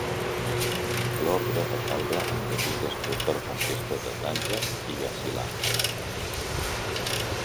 L'ordre va caure en desús després de la conquesta de Tànger i Asilah.